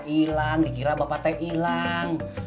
ilang dikira bapak tengah ilang